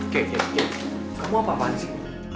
kekeke kamu apaan sih